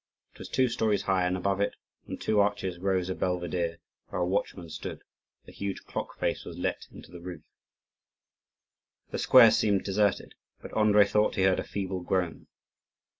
It was two stories high, and above it, on two arches, rose a belvedere where a watchman stood; a huge clock face was let into the roof. The square seemed deserted, but Andrii thought he heard a feeble groan.